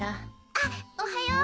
あっおはよう！